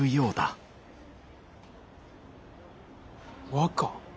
和歌？